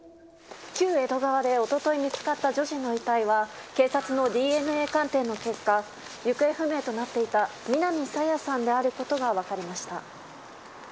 旧江戸川でおととい見つかった女児の遺体は、警察のＤＮＡ鑑定の結果、行方不明となっていた南朝芽さんであることが分かりました。